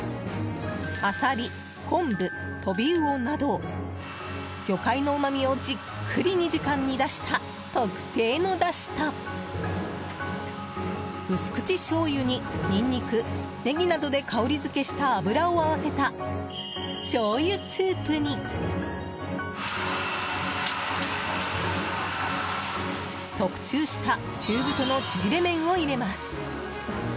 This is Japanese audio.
アサリ、昆布、トビウオなど魚介のうまみをじっくり２時間煮出した特製のだしと薄口しょうゆにニンニクネギなどで香り付けした油を合わせたしょうゆスープに特注した中太のちぢれ麺を入れます。